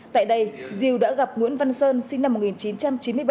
tại đây diều đã gặp nguyễn văn sơn sinh năm một nghìn chín trăm chín mươi bảy